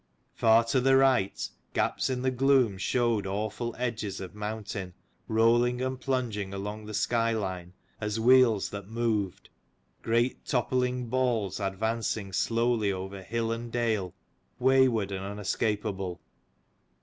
Far to the right, gaps in the gloom showed awful edges of mountain, rolling and plunging along the skyline, as wheels that moved, great toppling balls advancing slowly over hill and dale, wayward and unescapable.